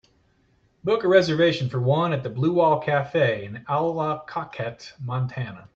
Book a reservation for one at the Blue Wall Cafe in Allakaket, Montana